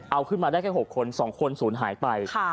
เอาขึ้นมาได้แค่หกคนสองคนศูนย์หายไปค่ะ